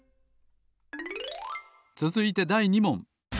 つづいてだい２もん。